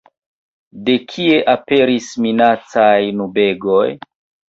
De kie aperis minacaj nubegoj?